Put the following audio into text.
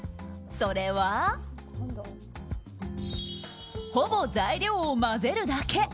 それは、ほぼ材料を混ぜるだけ。